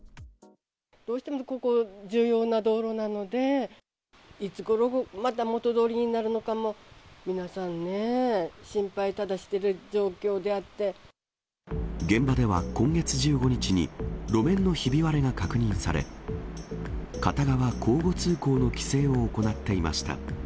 どうしてもここは重要な道路なので、いつごろ、また元どおりになるのかも、皆さんね、心配、現場では、今月１５日に路面のひび割れが確認され、片側交互通行の規制を行っていました。